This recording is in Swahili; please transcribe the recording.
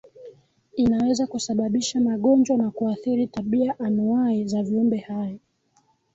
Inaweza kusababisha magonjwa na kuathiri tabia anuwai za viumbe hai